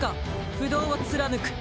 不動を貫く。